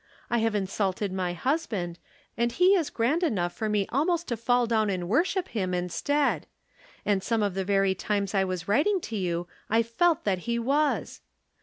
I have insulted my husband, and he is grand enough for me almost to faU down and worship him instead. And some of the very times I was writing to you I felt that he was.